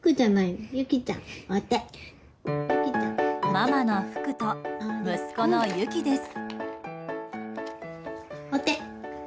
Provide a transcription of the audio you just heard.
ママの福来と息子の幸来です。